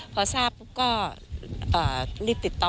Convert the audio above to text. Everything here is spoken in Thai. พอทราบปุ๊บก็รีบติดต่อ